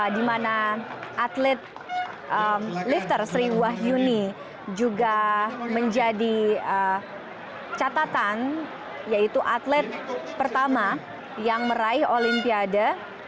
di mana atlet lifter sri wahyuni juga menjadi catatan yaitu atlet pertama yang meraih olimpiade